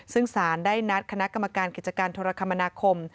ซึ่งสารได้นัดคณะกรรมการกิจการโทรคมนาคม